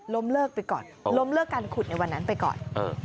เลิกไปก่อนล้มเลิกการขุดในวันนั้นไปก่อน